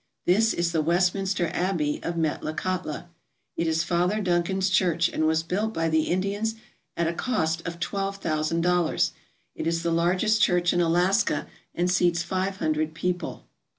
This is the Westminster Abbey of Metlakahtla. It is Father Duncan's church and was built by the Indians at a cost of twelve thousand dollars. It is the largest church in Alaska and seats five hundred people.